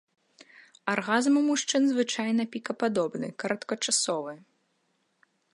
Аргазм у мужчын звычайна пікападобны, кароткачасовы.